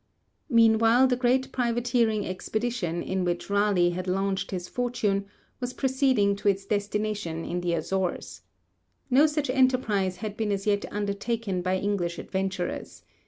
Meanwhile the great privateering expedition in which Raleigh had launched his fortune was proceeding to its destination in the Azores. No such enterprise had been as yet undertaken by English adventurers.